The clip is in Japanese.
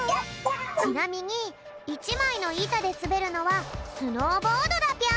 ちなみに１まいのいたですべるのはスノーボードだぴょん。